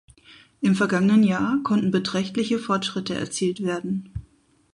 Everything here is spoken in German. Im vergangenen Jahr konnten beträchtliche Fortschritte erzielt werden.